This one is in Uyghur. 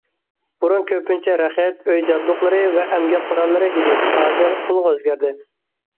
بۇرۇن كۆپىنچە رەخت، ئۆي جابدۇقلىرى ۋە ئەمگەك قوراللىرى ئىدى، ھازىر پۇلغا ئۆزگەردى.